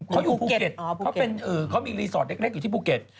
เขาอยู่ภูเก็ตเขามีรีสอร์ทเล็กอยู่ที่ภูเก็ต